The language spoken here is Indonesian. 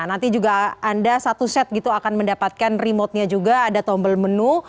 nanti juga anda satu set gitu akan mendapatkan remote nya juga ada tombel menu